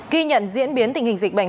khi nhận diễn biến tình hình dịch bệnh